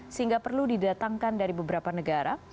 sehingga perlu didatangkan dari beberapa negara